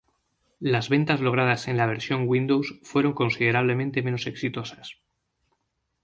Las ventas logradas en la versión Windows fueron considerablemente menos exitosas.